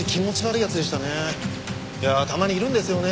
いやたまにいるんですよね